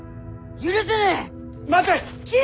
許せねえ！